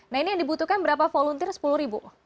nah ini yang dibutuhkan berapa volunteer sepuluh ribu